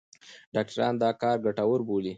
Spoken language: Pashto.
ډاکټران دا کار ګټور بولي.